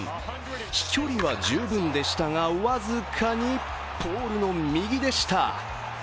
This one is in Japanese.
飛距離は十分でしたが、僅かにポールの右でした。